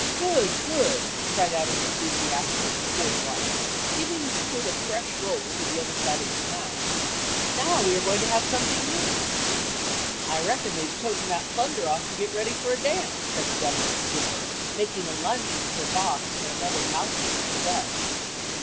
"Good, good," cried out an enthusiastic "poor white," giving his quid a fresh roll to the other side of his mouth, "now we are going to have something new." "I reckon they's totin' that plunder off to get ready for a dance," said a delicate "dipper," making a lunge into her box for another mouthful of the dust.